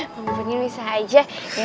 bang pudin bisa aja